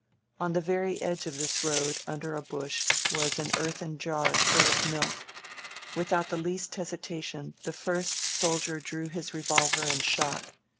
On the very edge of this road, under a bush, was an earthen jar full of milk. Without the lejwt hesitation the first soldier drew his revolver and shot.